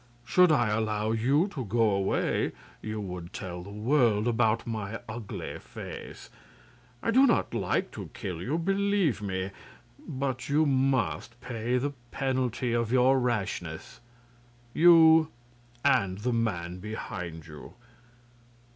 Should I allow you to go away you would tell the world about my ugly face. I do not like to kill you, believe me; but you must pay the penalty of your rashness you and the man behind you."